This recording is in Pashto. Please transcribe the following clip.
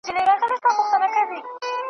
مچوي مو جاهلان پښې او لاسونه .